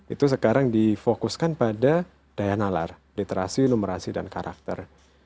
itu sekarang difokuskan pada daya nalar literasi numerasi dan karakter